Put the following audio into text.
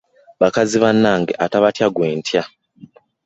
Abakazi bannange atabatya gwe ntya!